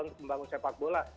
untuk membangun sepak bola